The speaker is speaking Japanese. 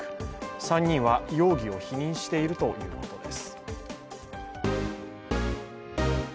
３人は容疑を否認しているということです。